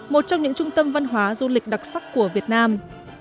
một trong những trung tâm văn hóa du lịch đặc sắc của việt nam